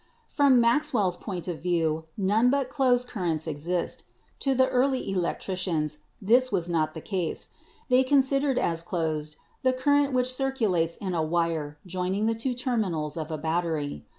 "From Maxwell's point of view, none but closed cur rents exist. To the early electricians this was not the case. They considered as closed the current which cir culates in a wire joining the two terminals of a battery.